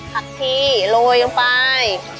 พัชชี้โรยลงไป